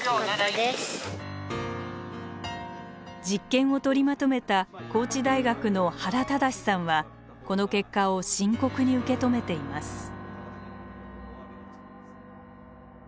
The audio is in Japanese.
実験を取りまとめた高知大学の原忠さんはこの結果を深刻に受け止めています。